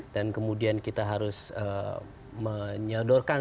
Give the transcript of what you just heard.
dan kemudian kita harus menyeludurkan